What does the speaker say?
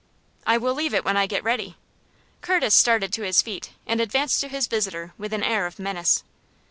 "I will leave it when I get ready." Curtis started to his feet, and advanced to his visitor with an air of menace.